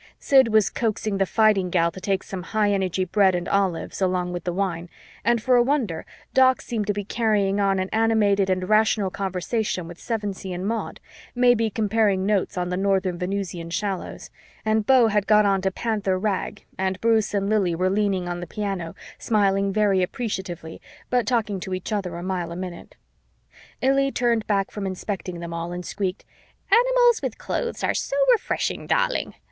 Sid was coaxing the fighting gal to take some high energy bread and olives along with the wine, and, for a wonder, Doc seemed to be carrying on an animated and rational conversation with Sevensee and Maud, maybe comparing notes on the Northern Venusian Shallows, and Beau had got on to Panther Rag, and Bruce and Lili were leaning on the piano, smiling very appreciatively, but talking to each other a mile a minute. Illy turned back from inspecting them all and squeaked, "Animals with clothes are so refreshing, dahling!